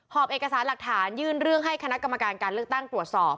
เอกสารหลักฐานยื่นเรื่องให้คณะกรรมการการเลือกตั้งตรวจสอบ